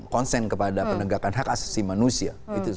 konsen kepada penegakan hak asasi manusia